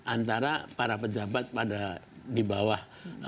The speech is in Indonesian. antara para pejabat pada di bawah